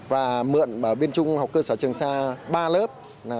và mượn ở bên trung học cơ sở trường xa ba lớp